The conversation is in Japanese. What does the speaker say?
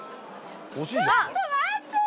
ちょっと待ってよ！